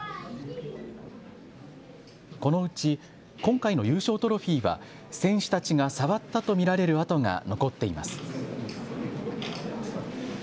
このうち今回の優勝トロフィーは選手たちが触ったと見られる跡が残っています。